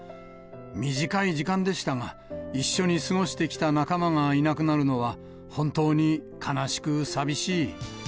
短い時間でしたが、一緒に過ごしてきた仲間がいなくなるのは本当に悲しく寂しい。